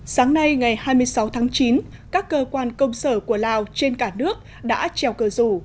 sáng nay ngày hai mươi sáu tháng chín các cơ quan công sở của lào trên cả nước đã treo cờ rủ